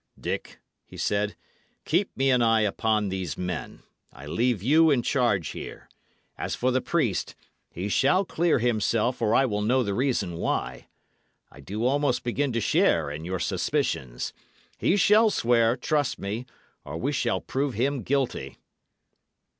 "Dick," he said, "keep me an eye upon these men; I leave you in charge here. As for the priest, he shall clear himself, or I will know the reason why. I do almost begin to share in your suspicions. He shall swear, trust me, or we shall prove him guilty."